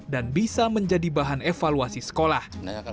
dan bisa menjadi bahan evaluasi sekolah